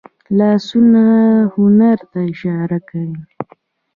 لاسونه هنر ته اشاره کوي